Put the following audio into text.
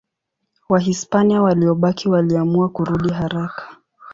Wahispania waliobaki waliamua kurudi haraka.